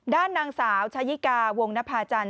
ด้านนางสาวชายิกาวงนภาจันท